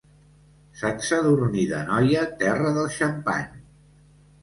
Sant Sadurní d'Anoia, terra del xampany.